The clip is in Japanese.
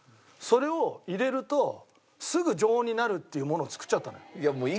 それを入れるとすぐ常温になるっていうものを作っちゃったの。